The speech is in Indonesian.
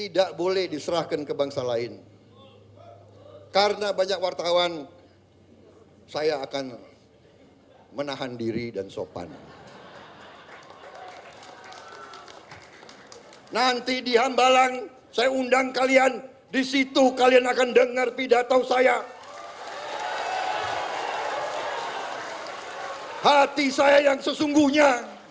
dulu kita di tentara